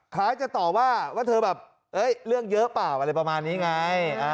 คล้ายจะตอบว่าว่าเธอแบบเรื่องเยอะเปล่าอะไรประมาณนี้ไง